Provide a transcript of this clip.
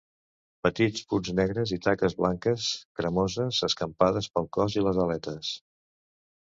Petits punts negres i taques blanques cremoses escampades pel cos i les aletes.